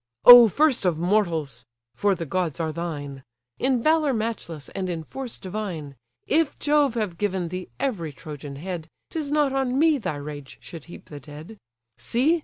"O first of mortals! (for the gods are thine) In valour matchless, and in force divine! If Jove have given thee every Trojan head, 'Tis not on me thy rage should heap the dead. See!